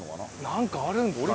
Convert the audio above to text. なんかあるんですかね。